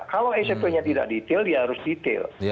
kalau sop nya tidak detail dia harus detail